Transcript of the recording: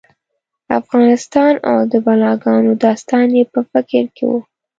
افغانستان او د بلاګانو داستان یې په فکر کې و.